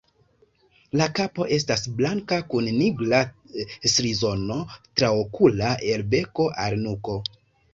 La kapo estas blanka kun nigra strizono traokula el beko al nuko.